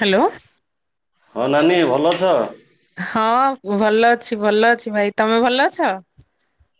Hello. ହଁ ନାନୀ ଭଲ ଅଛ। ହଁ ଭଲ ଅଛି ଭଲ ଅଛି ଭାଇ ତମେ ଭଲ ଅଛ।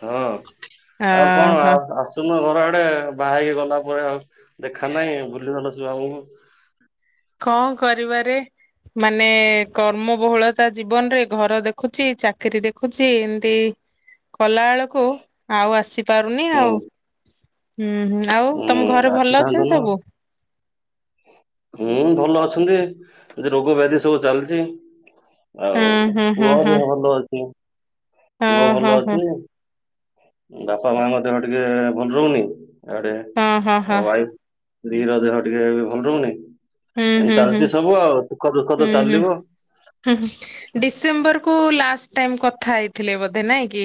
ହଁ ଆଉ କଣ ଅହ ଆସୁନୁ ଘର ଆଡେ ବାହାହେଇକି ଗଲା ପରେ ଆଉ ଦେଖା ନାଇଁ ଭୁଲି ଗଲ ସବୁ ଆମକୁ। କଣ କରିବାରେ। ମାନେ କର୍ମ ବହୁଳତା ଜୀବନ ରେ ଘର ଦେଖୁଛି ଚାକିରି ଦେଖୁଛି ଏମତି କଲା ବେଳକୁ ଆଉ ଆସି ପାରୁନି ହୁଁ ଆଉ। ହୁଁ ହୁଁ ଆଉ ତମ ଘରେ ଭଲ ଆସିଥାନ୍ତ ଅଛନ୍ତି ନା ସବୁ? ହୁଁ ଭଲ ଅଛନ୍ତି। ଏଦେ ରୋଗ ବ୍ୟାଧି ସବୁ ଚାଲିଚି। ହୁଁ ଆଉ ହୁଁ ହୁଁ ପୁଅ ହୁଁ ଭ ଭଲ ଅଛି। ପୁଅ ଓହୋ ଭଲ ହୋ ଅଛି। ବାପା ମା ମଧ୍ୟ ଟିକେ ଭଲ ରହୁନି ଇଆଡ଼େ ହଁ ହଁ ହଁ ୱାଇଫ ସ୍ତ୍ରୀ ର ଦେହ ଟିକେ ଭଲ ରହୁନି ହୁଁ ଏମ ହୁଁ ହୁଁ। ଚାଲିଚି ସବୁ ଆଉ ସୁଖ ଦୁଃଖ ହୁଁ ତ ହୁଁ ଚାଲିବ। ହୁଁ ଡିସେମ୍ବର କୁ ଲାଷ୍ଟ ଟାଇମ କଥା ହେଇଥିଲେ ବୋଧେ ନାଇଁ କି?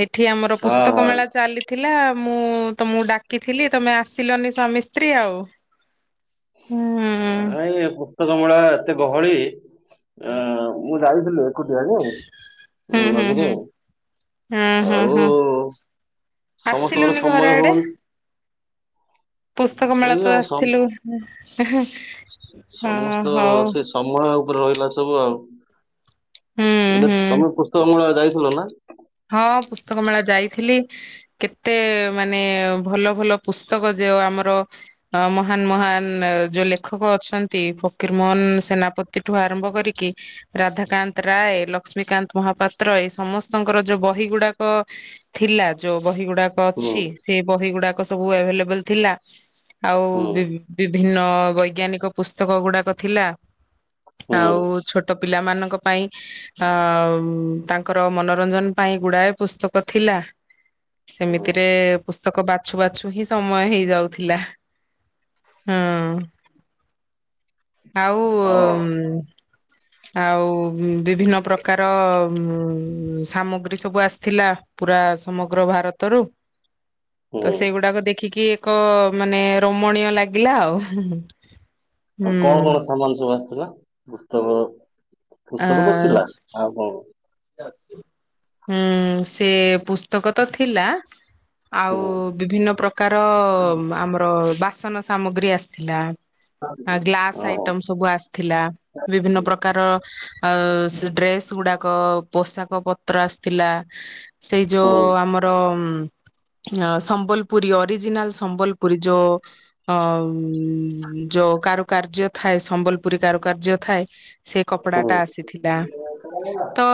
ଏଠି ଆମର ହଁ ପୁସ୍ତକ ହଁ। ମେଳା ଚାଲି ଥିଲା ମୁଁ ତମକୁ ଡାକିଥିଲି ତମେ ଆସିଲନି ସ୍ୱାମୀ ସ୍ତ୍ରୀ ଆଉ। ହୁଁ। ଭାଇ ପୁସ୍ତକମେଳା ଏତେ ଗହଳି ଆ ମୁଁ ଯାଇଥିଲି କୁଟି ଆକୁ ହୁଁ ଉ ହୁଁ ମଝିରେ। ହୁଁ ହଁ ହଁ ଆଉ ହଁ ସମସ୍ତଙ୍କର ଆସିଲୁନି ଘର ସମୟ ଆଡେ ହଉନି। ପୁସ୍ତକ ମେଳା ସରିଲା ତ ସମ- ଆସିଥିଲୁ ହଁ ସମସ୍ତ ହଉ। ସେ ସମୟ ଉପରେ ରହିଲା ସବୁ ଆଉ ହୁଁ ବଲେ ହୁଁ ତମେ ପୁସ୍ତକ ମେଳା ଯାଇଥିଲ ନା? ହଁ ପୁସ୍ତକ ମେଳା ଯାଇଥିଲି କେତେ ମାନେ ଭଲ ଭଲ ପୁସ୍ତକ ଯୋଉ ଆମର ଆ ମହାନ ମହାନ ଯୋଉ ଲେଖକ ଅଛନ୍ତି ଫକୀର ମୋହନ ସେନାପତି ଠୁ ଆରମ୍ଭ କରିକି ରାଧାକାନ୍ତ ରାୟ, ଲକ୍ଷ୍ମୀକାନ୍ତ ମହାପାତ୍ର ଏଇ ସମସ୍ତ ଙ୍କର ଯୋଉ ବହି ଗୁଡାକ ଥିଲା ଯୋଉ ବହି ଗୁଡାକ ହୁଁ ଅଛି ସେ ବହି ଗୁଡାକ ସବୁ ଏଭେଲେବଲ ଥିଲା ଆଉ ହୁଁ ବି ବିଭିନ୍ନ ବୈଜ୍ଞାନିକ ପୁସ୍ତକ ଗୁଡାକ ଥିଲା। ହୁଁ ହୁଁ, ଆଉ ଛୋଟ ପିଲା ମାନଙ୍କ ପାଇଁ ଆ ତାଙ୍କର ମନ ନୋରଞ୍ଜନ ପାଇଁ ଗୁଡ଼ାଏ ପୁସ୍ତକ ଥିଲା ହଁ ସେମିତିରେ ପୁସ୍ତକ ବାଛୁ ବାଛୁ ହିଁ ସମୟ ହେଇଯାଉଥିଲା। ହୁଁ। ଆଉ ଉମ ଆଉ ବିଭିନ୍ନ ପ୍ରକାର ଉ ସାମଗ୍ରୀ ସବୁ ଆସିଥିଲା ପୁରା ସମଗ୍ର ଭାରତରୁ ତ ହୁଁ ସେଇଗୁଡାକ ଦେଖିକି ଏକ ମାନେ ରମଣୀୟ ଲାଗିଲା ଆଉ। [unintelligible] ଆ କଁ କଣ ସମାନ ସବୁ ଆସିଥିଲା? ପୁସ୍ତକ ପୁସ୍ତକ ତ ଆ ଥିଲା ଆଉ କଣ? ହୁଁ ସେ ପୁସ୍ତକ ତ ଥିଲା ଆଉ ହୁଁ ବିଭିନ୍ନ ପ୍ରକାର ଆମର ବାସନ ସାମଗ୍ରୀ ଆସିଥିଲା। ଆ ଗ୍ଲାସ୍ ଓହୋ ଆଇଟମ୍ ସ୍ ସବୁ ଆସିଥିଲା ବିଭିନ୍ନ ପ୍ରକାର ଆଉ ସେ ଡ୍ରେସ୍ ଗୁଡାକ ପୋଷାକ ପତ୍ର ଆସିଥିଲା ସେଇ ହୁଁ ଯୋଉ ଆମର ଆ ସମ୍ବଲପୁରୀ ଅରିଜିନାଲ ସମ୍ବଲପୁରୀ ଯୋଉ ଆମ ଯୋଉ କାରୁକାର୍ଯ୍ୟ ଥାଏ ସମ୍ବଲପୁରୀ କାରୁକାର୍ଯ୍ୟ ଥାଏ ସେ କପଡା ହୁଁ ଟା ଆସିଥିଲା ତ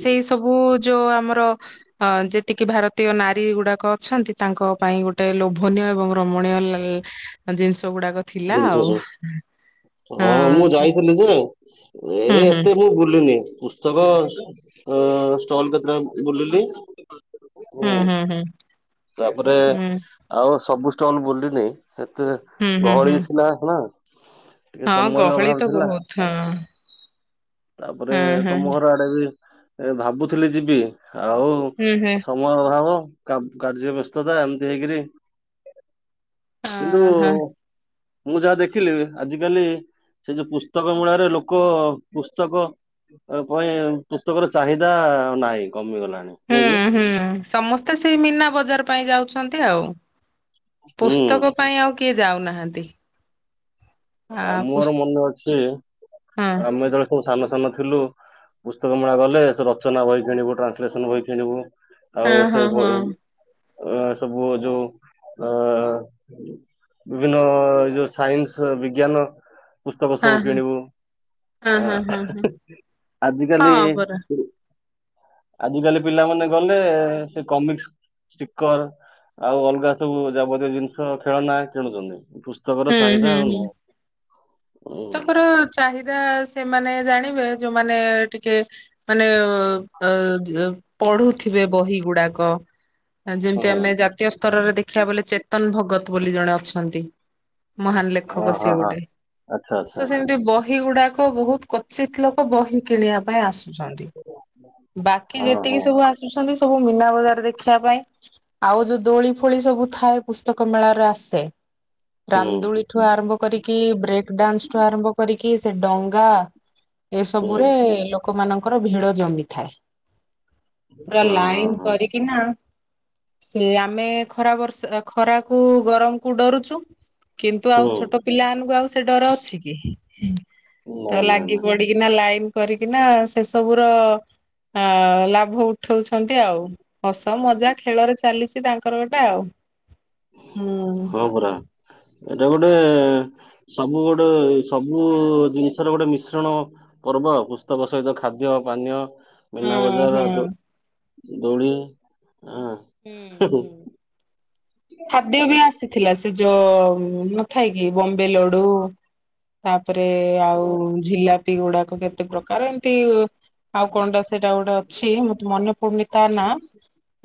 ସେଇ ସବୁ ଯୋଉ ଆମର ଅ ଯେତିକି ଭାରତୀୟ ନାରୀ ଗୁଡାକ ଅଛନ୍ତି ତାଙ୍କ ପାଇଁ ଗୋଟେ ଲୋଭନୀୟ ଏବଂ ରମଣୀୟ ଲଲ୍ ଜିନିଷ ଗୁଡାକ ଥିଲା ଜିନିଷ ଆଉ। ସବୁ ହଁ ମୁଁ ଯାଇଥିଲି ଯେ ଏ ହୁଁ ହୁଁ ଏତେ ମୁଁ ବୁଲିିନି ପୁସ୍ ତକ ଅ ଷ୍ଟଲ କେତେଟା ବୁଲିଲି ହୁଁ ତାପରେ ହୁଁ ଆଉ ସବୁ ଷ୍ଟଲ ବୁଲିନି ଏତେ ହୁଁ ହୁଁ ହୁଁ ଗହଳି ଥିଲା ହେଲା ହଁ ଗହଳି ତ ବହୁତ ହଁ। ତାପରେ ହଁ ହଁ ତମ ଘର ଆଡେ ବି ଭାବୁଥିଲି ଯିବି ଆଉ ହୁଁ ହୁଁ ସ ମୟ ଅଭାବ କାର୍ଯ୍ୟ ବ୍ୟସ୍ତତା ଏମିତି ହେଇକିରି କିନ୍ତୁ ହଁ ହଁ ମୁଁ ଯାହା ଦେଖିଲିଣି, ଆଜିକାଲି ସେ ଯୋଉ ପୁସ୍ତକ ମେଳାରେ ଲୋକ ପୁସ୍ତକ ଆଉ ଭଏ ପୁସ୍ତକର ଚାହିଦା ନାହିଁ, କମିଗଲାଣି। ନାଇଁକି? ହୁଁ ହୁଁ, ସମସ୍ତେ ସେଇ ମୀନା ବଜାର ପାଇଁ ଯାଉଛନ୍ତି ଆଉ। ହୁଁ ପୁସ୍ତକ ପାଇଁ ଆଉ କିଏ ଯାଉନାହାଁନ୍ତି। ଆଉ ମୋର ମନେ ଅଛି, ଆମେ ଯେତେବେଳେ ସବୁ ସାନ ସାନ ଥିଲୁ, ପୁସ୍ତକ ମେଳା ଗଲେ ସେ ରଚନା ବହି କିଣିବୁ, ଟ୍ରାନ୍ସଲେସନ ବହି କିଣିବୁ ହଁ ଆଉ ସେ ହଁ ହଁ ବହି, ଅ ସବୁ ଯୋଉ ଅ ବିଭିନ୍ନ ଏ ଯୋଉ ସାଇନ୍ସ ବିଜ୍ଞାନ ପୁସ୍ତକ ହଁ ସବୁ ହଁ କିଣିବୁ। ହଁ ଅ ହଁ ହଁ ହ ହଁ ହଁ ହିଁ, ଆଜିକାଲି ହଁ ପରା ଆଜିକାଲି ପିଲାମାନେ ଗଲେ, ସେ କମିକ୍ସ ଷ୍ଟିକର ଆଉ ଅଲଗା ସବୁ ଯାବତୀୟ ଜିନିଷ, ଖେଳନା କିଣୁଛନ୍ତି। ପୁସ୍ତ ସ୍ତକର ହୁଁ ହୁଁ ଚାହିଦା ଆଉ ହୁଁ। ନୁହଁ। ହୁଁ ପୁସ୍ତକର ଚାହିଦା ସେମାନେ ଜାଣିବେ, ଯୋଉମାନେ ଟିକେ ମାନେ ଅ-ଅ ପଢୁଥିବେ ବହିଗୁଡାକ। ହୁଁ ଯେମତି ଆମେ ଜାତୀୟ ସ୍ତରରେ ଦେଖିଆକୁ ବଲେ, ଚେତନ ଭଗତ ବୋଲି ଜଣେ ଅଛନ୍ତି। ମହାନ ହଁ ଲେଖକ ହଁ ସିଏ ହଁ ଗୋଟେ। ଆଚ୍ଛା ଆଚ୍ଛା ତ ସେମିତି ବହିଗୁଡାକ ବହୁତ କଥା କୁଚିତ୍ ଲୋକ ବହି କିଣିବା ପାଇଁ ଆସୁଛନ୍ତି। ବାକି ହଁ ହଁ ଯେତିକି ସବୁ ଆସୁ ଆସୁଛନ୍ତି ସବୁ ମୀନା ବଜାର ଦେଖିବା ପାଇଁ ଆଉ ଯୋଉ ଦୋଳି ଫୋଳି ସବୁ ଥାଏ, ପୁସ୍ତକ ମେଳାର ଆସେ ହୁଁ। ରାମଦୋଳିଠୁ ଆରମ୍ଭ କରିକି, ବ୍ରେକ୍ ଡାନ୍ସଠୁ ଆରମ୍ଭ କରିକି, ସେ ଡଙ୍ଗା ଏ ହୁଁ ସବୁରେ ଲୋକମାନଙ୍କର ଭିଡ ଜମିଥାଏ। ପୁରା ହଁ ହଁ ଲାଇନ୍ ହଁ କରିକିନା ସେ ଆମେ ଖରା, ବର୍ଷା ଖରାକୁ ଗରମକୁ ଡରୁଛୁ କିନ୍ତୁ ଆଉ ହୁଁ ଛୋଟ ପିଲାଆନଙ୍କୁ ଆଉ ସେ ଡର ଅଛି କି, ନା ତ ନା ଲାଗିପଡ଼ି ନା ପଡ଼ିକିନା ଲାଇନ୍ କରିକିନା, ସେସବୁର ଅ ଲାଭ ଉଠଉଛ ଛନ୍ତି ଆଉ। ହସ, ମଜା, ଖେଳରେ ଚାଲିଛି ତାଙ୍କର ଗୋଟେ ଆଉ। ହୁଁ ହଁ, ପରା। ଏଟା ଗୋଟେ ସବୁ ଗୋଟେ ସବୁ ଜିନିଷର ଗୋଟେ ମିଶ୍ରଣ ପର୍ବ ଆଉ। ପୁସ୍ତକ ସହିତ ଖାଦ୍ୟ, ପାନୀୟ ମୀନା ହଁ ହଁ ବଜାରରୁ ଦୋଳି ହଁ। ହୁଁ, ହୁଁ। ଖାଦ୍ୟ ବି ଆସିଥିଲା, ସେ ଯୋଉ ନ ଥାଏ କି ବମ୍ବେ ଲଡୁ ତାପରେ ଆଉ ଝିଲାପିଗୁଡାକ କେତେ ପ୍ରକାର ଏମତି ଆଉ କଣଟା ସେଇଟା ଗୋଟେ ଅଛି, ମତେ ମନେ ପଡ଼ୁନି ତା ନାଁ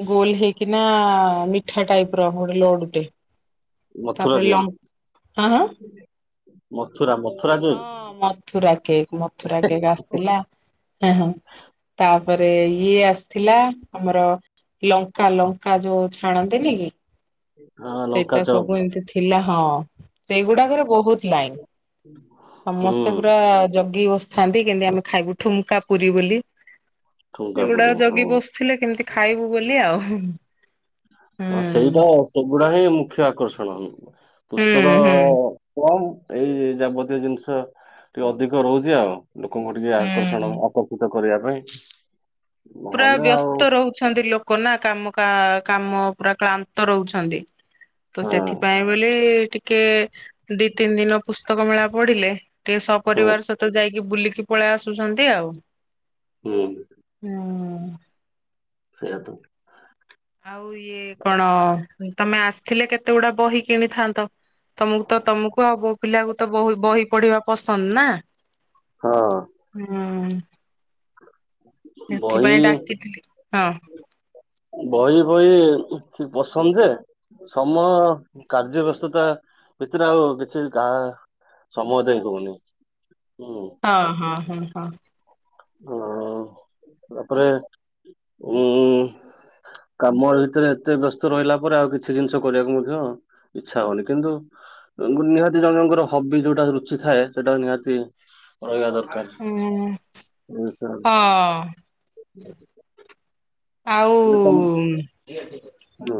ଗୋଲ ହେଇକିନା ଆ ମିଠା ଟାଇପର ଗୋଟେ ଲଡୁଟେ। ମଥୁରା ତାପରେ କେକ୍ ଲଙ୍କ୍ ହାଁ ହାଁ। ମଥୁରା ମଥୁରା ହଁ, cake Mathura cake, Mathura cake ଆସିଥିଲା ଆ ହଁ। ତାପରେ ଇଏ ଆସିଥିଲା, ଆମର ଲଙ୍କା, ଲଙ୍କା ଯୋଉ ଛାଣନ୍ତିନି କି, ହଁ ଲଙ୍କା ସେଇଟା ଚପ୍ ସବୁ ଏମତି ଥି ଥିଲା, ହଁ। ସେଇ ଗୁଡାକରେ ବହୁତ ଲାଇନ୍। ହୁଁ ସମସ୍ତେ ପୁରା ଜଗିକି ବସି ଥାନ୍ତି, କେନ୍ତି ଆମେ ଖାଇବୁ। ଠୁଙ୍କା ପୁରୀ ବୋଲି ଠୁଙ୍କା ପୁରି ଏଗୁଡାକ ହଁ ଜଗି ବସିଥିଲେ, କେମତି ଖାଇବୁ ବୋଲି ଆଉ। ହଁ, ସେଇଟା ସେଗୁଡା ହିଁ ମୁଖ୍ୟ ଆକର୍ଷଣ। ହୁଁ ପୁସ୍ତକ ହୁଁ। କମ୍, ଏଇ ଯାବତୀୟ ଜିନିଷ ଟିକେ ଅଧିକ ରହୁଛି ଆଉ। ଲୋକଙ୍କୁ ଟିକେ ଆକର୍ଷଣ, ହୁଁ ଆକର୍ଷିତ କରିବା ପାଇଁ ପୁରା ନହେଲେ ଆଉ ବ୍ୟସ୍ତ ରହୁଛନ୍ତି ଲୋକ ନା, କାମ କା-କାମ ପୁରା କ୍ଳାନ୍ତ ରହୁଛନ୍ତି। ତ ହଁ ସେଥିପାଇଁ ବୋଲି ଟିକ କେ ଦି, ତିନି ଦିନ ପୁସ୍ତକ ମେଳା ପଡ଼ିଲେ, ଟିକେ ହଉ ସପରିବାର ସହ ତ ଯାଇକି ବୁଲିକି ପଳେଇ ଆସୁଛନ୍ତି ଆଉ। ହୁଁ। ହୁଁ ଉଁ। ସେଇଆ ତ। ଆଉ ଇଏ କଣ ତମେ ଆସିଥିଲେ କେତେ ଗୁଡା ବହି କିଣିଥାନ୍ତ। ତମକୁ ତ ତମକୁ ଆଉ ବୋଉ ପିଲାକୁ ତ ବ ବହି ପଢିବା ପସନ୍ଦ ନା। ହଁ ହୁଁ। ବହି ସେଥିପାଇଁ ଡାକିଥିଲି ହଁ ବହି ଫଇ ପସନ୍ଦ ଯେ ସମୟ କାର୍ଯ୍ୟ ବ୍ୟସ୍ତତା ଭିତରେ ଆଉ କିଛି ଗା ସମୟ ଦେଇ ହଉନି। ହଁ ହଁ ହଁ ହଁ। ହଉ ତାପରେ ଉଁ। କାମ ଭିତରେ ଏତେ ବ୍ୟସ୍ତ ରହିଲା ପରେ ଆଉ କିଛି ଜିନିଷ କରିବାକୁ ମଧ୍ୟ ଇଚ୍ଛା ହୋଉନି କିନ୍ତୁ ନିହାତି ଜଣ ଜଣଙ୍କର ହବି ଯୋଉଟା ରୁଚି ଥାଏ ସେଟା ନିହାତି ରହିବା ଦରକାର। ହୁଁ ହଁ। [inaudible] ଆଉ। ହୁଁ।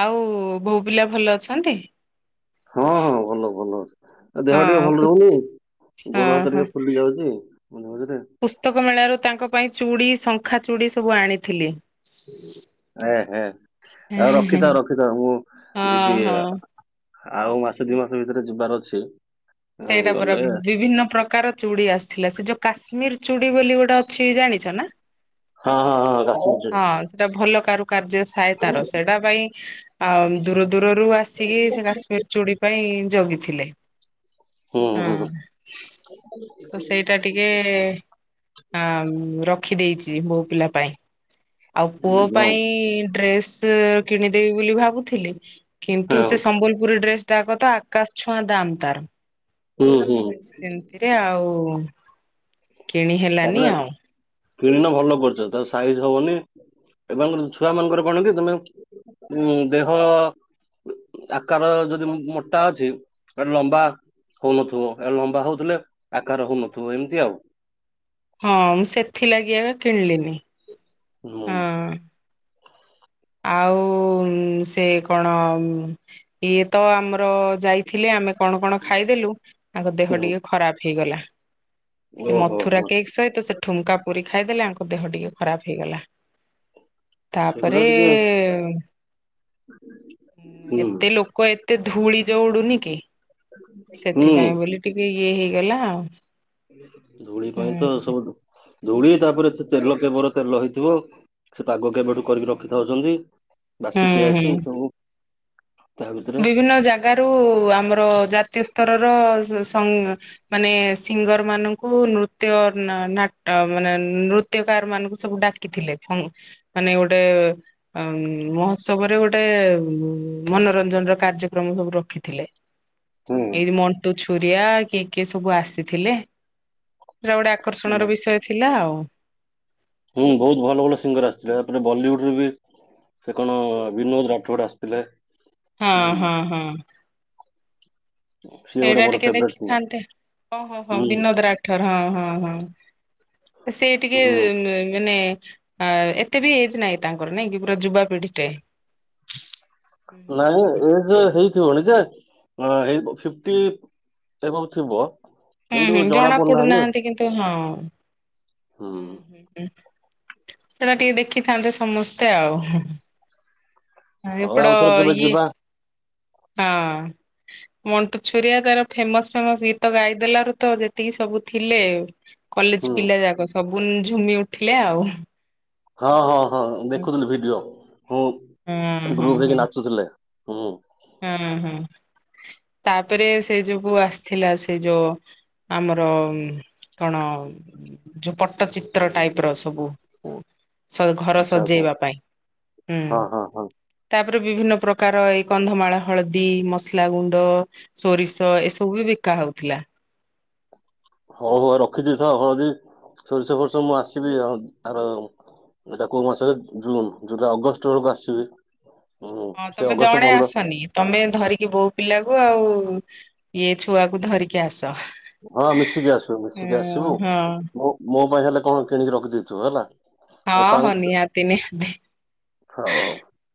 ଆଉ ବୋହୂପିଲା ଭଲ ଅଛନ୍ତି? ହଁ ହଁ ଭଲ ଭଲ ଅଛନ୍ତି। ଆଉ ଦେହ ଟିକେ ହଁ ଭଲ ପୁସ୍ ରହୁନି, ହଁ ଗୋଡ ହାତ ହଁ। ଟିକେ ଫୁଲି ଯାଉଛି ମଝୀ ମଝିରେ। ପୁସ୍ତକ ମେଳାରୁ ତାଙ୍କ ପାଇଁ ଚୁଡି, ଶଙ୍ଖା ଚୁଡି ସବୁ ଆଣିଥିଲି। ଏ ହେ ଆଉ ରଖିଥାଅ, ରଖିଥାଅ ମୁଁ ହଁ ଯିବି। ହଁ ଆଉ ମାସେ ଦି ମାସେ ଭିତରେ ଯିବାର ଅଛି। ହଁ ସେଇଟା ପରା ଗଲେ ବିଭିନ୍ନ ପ୍ରକାର ଚୁଡ଼ି ଆସିଥିଲା, ସେ ଯୋଉ କାଶ୍ମୀର ଚୁଡି ବୋଲି ଗୋଟେ ଅଛି ଜାଣିଛ ନା? ହଁ ହଁ ହଁ କାଶିମ। ହଁ ସେଟା ଭଲ କାରୁ କାର୍ଯ୍ୟ ଥାଏ ତାର, ସେଇଟା ପାଇଁ ଆ ଦୂର ଦୂରରୁ ଆସିକି ସେ କାଶ୍ମୀର ଚୁଡ଼ି ପାଇଁ ଜଗିଥିଲେ। ହୁଁ ହଁ ହୁଁ ହୁଁ ତ ସେଇଟା ଟିକେ ହଁ ରଖିଦେଇଛି ବୋହୂପିଲା ପାଇଁ। ଆଉ ପୁଅ ପାଇଁ ଡ୍ରେସ କିଣିଦେବି ବୋଲି ଭାବୁଥିଲି। ହଁ କିନ୍ତୁ ହଁ, ସେ ସମ୍ବଲପୁରୀ ଡ୍ରେସ ଡାକ ତ ଆକାଶ ଛୁଆଁ ଦାମ୍ ତାର। ହୁଁ ହୁଁ। ରେ ଆଉ। କିଣି ହେଲାନି ଆଉ। [unintelligible] କିଣିନ ଭଲ କରିଛ ତାର ସାଇଜ ହବନି ଏବଂ ଛୁଆ ମାନଙ୍କର କଣ କି ତମେ ହୁଁ ଦେହ ଆକାର ଯଦି ମୋ ମୋଟା ଅଛି ତାହେଲେ ଲମ୍ବା ହଉନଥିବ ଇଆଡେ ଲମ୍ବା ହଉଥିଲେ ଆକାର ହଉନଥିବ ଏମିତି ଆଉ। ହଁ ମୁଁ ସେଥିଲାଗିି ଏବେ କିଣିଲିନି। ହୁଁ। ହଁ ଆଉ ସେ କଣ ଇଏ ତ ଆମର ଯାଇଥିଲେ ଆମେ କଣ କଣ ଖାଇଦେଲୁ ତାଙ୍କ ଦେହ ହୁଁ ଟିକେ ଖରାପ ହେଇଗଲା। ସେ ଓହୋ ମଥୁରା ହୋ କେକ୍ ସହିତ ସେ ଠୁଙ୍କା ପୁରୀ ଖାଇଦେଲେ ଆଙ୍କ ଦେହ ଟିକେ ଖରାପ ହେଇଗଲା। ତାପରେ ସେଗୁଡା ଏ ଟିକେ ହୁଁ ଏତେ ଲୋକ ଏତେ ଧୂଳି ଯଉ ଉଡୁନି କି ହୁଁ ସେଥିପାଇଁ ବୋଲି ଟିକେ ଇଏ ହେଇଗଲା ଆଉ। ଧୂଳି ପାଇଁ ତ ହୁଁ। ସବୁ ଧୂଳି ତାପରେ ସେ ତେଲ କେବର ତେଲ ହେଇଥିବ। ସେ ପାଗ ହୁଁ କେବେଠୁ କରିକି ହୁଁ। ରଖିଥାଉଛନ୍ତି ହୁଁ ବାସି ତିଆସି ହୁଁ। ସବୁ। ତା ଭିତରେ ବିଭିନ୍ନ ଜାଗାରୁ ଆମର ଜାତୀୟ ସ୍ତରର ସଂ ମାନେ ସିଙ୍ଗର ମାନଙ୍କୁ ନୃତ୍ୟ ନ ନାଟ ମାନେ ନୃ ତ୍ୟକାର ମାନଙ୍କୁ ସବୁ ଡାକିଥିଲେ ଫଙ୍ଗୁ ମାନେ ଗୋଟେ ଅ ମହୋତ୍ସବରେ ଗୋଟେ ମନ ନୋରଞ୍ଜନ ର କାର୍ଯ୍ୟକ୍ରମ ସବୁ ରଖିଥିଲେ ହୁଁ। ଏଇ ମଣ୍ଟୁ ଛୁ ରିଆ କିଏ କିଏ ସବୁ ଆସିଥିଲେ ସେଟା ଗୋଟେ ଆକର୍ଷଣର ବିଷୟ ଥିଲା ଆଉ। ହୁଁ ବହୁତ ଭଲ ଭଲ ସିଙ୍ଗର ଆସିଥିଲେ ତାପରେ ବଲିଉଡରେ ବି ସେ କଣ ବିନୋଦ ରାଠୋଡ ଆସିଥିଲେ। ହଁ ହୁଁ ହଁ ହଁ। ସିଏ ଗୋଟେ ସେଇଟା ମୋର ଟିକେ ଫେବରେଟ ହୁଁ ଦେଖିଥାନ୍ତେ ଓହୋ ହୋ ବିନୋଦ ରାଠୋର ହଁ ହଁ ହଁ। ସେଇ ଟିକେ ହୁଁ ମାନେ ଆ ଏତେ ବି ଏଜ୍ ନହିଁ ତାଙ୍କର ନାଇଁ କି ପୁରା ଯୁବାପିଢି ଟେ। ନାଇଁ ଏଜ ହେଇଥିବଣୀ ଯେ ଅ ଫିଫ୍ଟୀ ଏବଭ ଥିବ। ହୁଁ ହୁଁ ଜଣା ପଡୁନାହାନ୍ତି କିନ୍ତୁ ହଁ। ହୁଁ। ହୁଁ ହୁଁ ସେଟା ଟିକେ ଦେଖିଥାନ୍ତେ ସମସ୍ତେ ଆଉ। ହ ହଉ ଏପଡ ଆଉଥରେ କେବେ ଇଏ ଯିବା ହଁ। ମଣ୍ଟୁ ଛୁରିଆ ତାର ଫେମସ ଫେମସ ଗୀତ ଗାଇଦେଲାରୁ ତ ଯେତିକି ସବୁ ଥିଲେ କଲେଜ ହୁଁ ପିଲା ଯାକ ସବୁ ଝୁମି ଉଠିଲେ ଆଉ। ହଁ ହଁ ହଁ ଦେଖୁଥିଲି ଭିଡିଓ ହଁ ହୁଁ ହୁଁ ହୁଁ ଗ୍ରୁପ ହୁଁ ହେଇକି ନାଚୁଥିଲେ ହୁଁ। ହୁଁ ହୁଁ ତାପରେ ସେ ଯୋଉକୁ ଆସିଥିଲା ସେ ଯୋଉ ଆମର କଣ ଯୋଉ ପଟ୍ଟଚିତ୍ର ଟାଇପ ର ସବୁ ଘର ଆଚ୍ଛା ଆଚ୍ଛା ସଜେଇବା ପାଇଁ ହୁଁ ହଁ ହଁ ହଁ ତାପରେ ବିଭିନ୍ନ ପ୍ରକାର ଏଇ କନ୍ଧମାଳ ହଳଦୀ ମସଲା ଗୁଣ୍ଡ ସୋରିଷ ଏସବୁ ବି ବିକା ହେଉଥିଲା। ହଉ ହଉ ରଖି ଦେଇଥାଅ ତ ହଳଦୀ ସୋରିଷ ଫୋରିଷ ମୁଁ ଆସିବି ଆଉ ଆର ଏଇଟା କୋଉ ମାସ କି ଜୁନ ଜୁଲ ଅଗଷ୍ଟ ବେଳକୁ ଆସିବି। ହୁଁ ହଁ ସେ ତମେ ଅଗଷ୍ଟ ଜଣେ ପନ୍ଦର ଆସନି। ତମେ ଧରିକି ବୋହୂ ପିଲାକୁ ଆଉ ଇଏ ଛୁଆକୁ ଧରିକି ଆସ। ହଁ ମିଶିକି ଆସିବୁ ହଁ ମିଶିକି ଆସିବୁ ହଁ ମୁଁ ମୋ ପାଇଁ ହେଲେ କଣ କିଣିକି ରଖିଦେଇଥିବ ହେଲା। ଆଉ ହଁ ହଉ ସାଙ୍ଗ ନିିହାତି ନିିହାତି। ହଉ ହଉ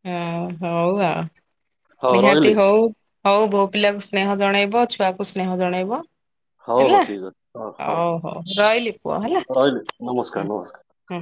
ହଁ ହଉ ଆଉ ହଉ ନିହାତି ରହିଲି ହଉ। ହଉ ବୋହୂ ପିଲାକୁ ସ୍ନେହ ଜଣେଇବ ଛୁଆକୁ ସ୍ନେହ ଜଣେଇବ। ହଉ ହଉ ହେଲା ଠିକ ଅଛି ହଉ ଓହୋ ରହିଲି ପୁଅ ହେଲା ହଉ ରହିଲି ନମସ୍କାର ହୁ। ନମସ୍କାର ହୁଁ।